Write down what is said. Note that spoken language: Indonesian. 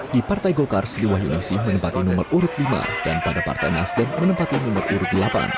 di partai golkar sri wahyunisi menempati nomor urut lima dan pada partai nasdem menempati nomor urut delapan